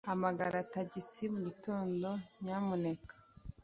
Hamagara tagisi mugitondo, nyamuneka.